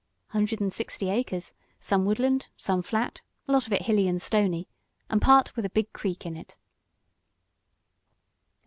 "Hundred and sixty acres. Some woodland, some flat, a lot of it hilly and stony, and part with a big creek on it."